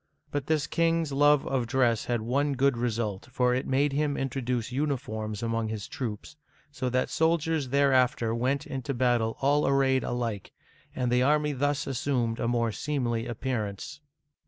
But this king's love of dress had one good result, for it made him introduce uniforms among his troops, so that soldiers there after went into battle all arrayed alike, and the army thus assumed a more seemly appearance.